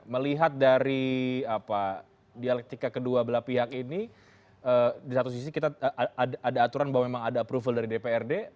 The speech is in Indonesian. melihat dari dialektika kedua belah pihak ini di satu sisi kita ada aturan bahwa memang ada approval dari dprd